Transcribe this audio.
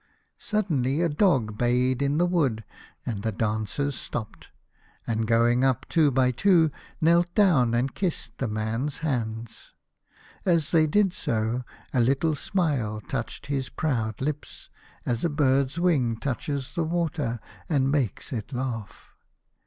Suddenly a dog bayed in the wood, and the dancers stopped, and going up two by two, knelt down, and kissed the man's hands. As they did so, a little smile touched his proud lips, as a bird's wing touches the water and makes it laugh.